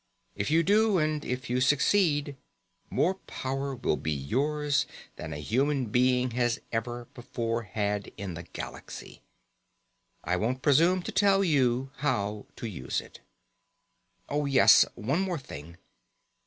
If you do, and if you succeed, more power will be yours than a human being has ever before had in the galaxy. I won't presume to tell you how to use it._ _Oh, yes. One more thing.